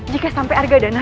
jika sampai argadana